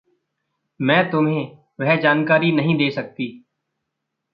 मैं तुम्हें वह जानकारी नहीं दे सकती।